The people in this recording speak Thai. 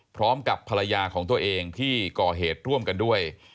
พร้อมกับภรรยาของตัวเองที่ก่อเหตุร่วมกันด้วย